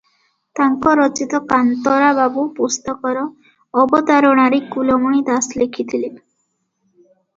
ତାଙ୍କ ରଚିତ କାନ୍ତରା ବାବୁ ପୁସ୍ତକର ଅବତାରଣାରେ କୁଳମଣି ଦାଶ ଲେଖିଥିଲେ ।